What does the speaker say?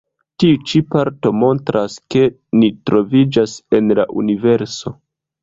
Tiu ĉi parto montras kie ni troviĝas en la Universo.